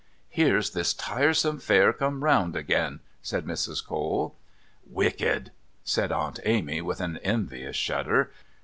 "Here's this tiresome Fair come round again," said Mrs. Cole. "Wicked!" said Aunt Amy, with an envious shudder.